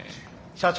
社長。